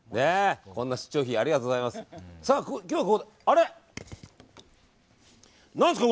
こんな出張費ありがとうございます。